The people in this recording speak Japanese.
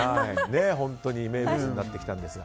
本当に名物になってきたんですが。